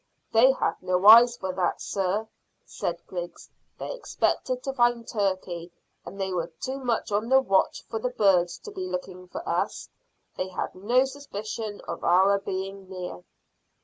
"They had no eyes for that, sir," said Griggs. "They expected to find turkey, and they were too much on the watch for the birds to be looking for us. They had no suspicion of our being near."